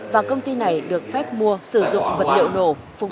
và công ty này được phép mua sử dụng vật liệu nổ